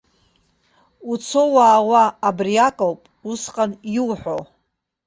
Уцо-уаауа абриак ауп усҟан иуҳәо.